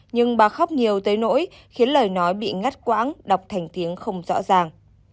nhưng bà khóc nhiều tới nỗi khiến lời nói bị ngắt quãng đọc thành tiếng không rõ ràng